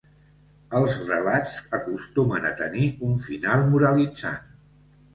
Els relats acostumen a tenir un final moralitzant.